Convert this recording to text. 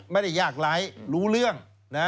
ไม่ได้ยากไร้รู้เรื่อง